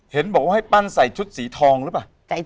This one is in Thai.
เห็นบอกว่าให้ปั้นใส่ชุดสีทองหรือเปล่า